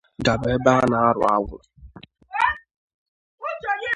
gaba ebe a na-arụ agwụ.